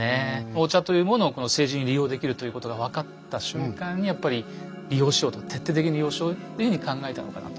お茶というものをこの政治に利用できるということが分かった瞬間にやっぱり利用しようと徹底的に利用しようっていうふうに考えたのかなと。